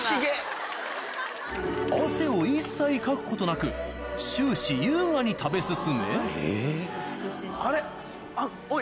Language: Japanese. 汗を一切かくことなく終始優雅に食べ進めあれあっおい